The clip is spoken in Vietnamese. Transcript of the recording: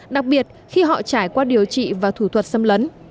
đặc biệt khi họ trải qua điều trị và thủ thuật xâm lấn